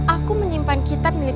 aku menyimpan kitab milik